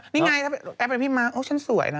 นี่ไงแป๊บเลยพี่มาร์คโอ้ฉันสวยนะ